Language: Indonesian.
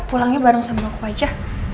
pulangnya bareng sama ngaku aja